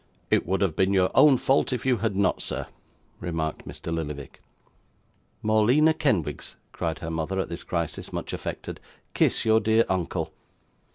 'It would have been your own fault if you had not, sir,' remarked Mr Lillyvick. 'Morleena Kenwigs,' cried her mother, at this crisis, much affected, 'kiss your dear uncle!